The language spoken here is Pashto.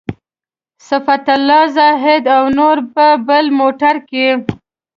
صفت الله زاهدي او نور په بل موټر کې.